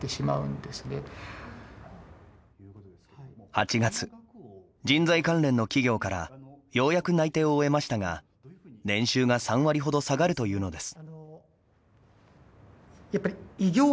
８月人材関連の企業からようやく内定を得ましたが年収が３割ほど下がるというのです。